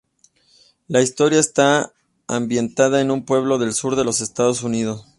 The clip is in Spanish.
La historia está ambientada en un pueblo del Sur de los Estados Unidos.